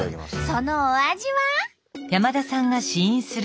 そのお味は？